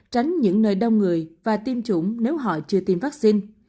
tránh những nơi đông người và tiêm chủng nếu họ chưa tìm vắc xin